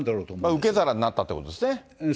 受け皿になったということですね。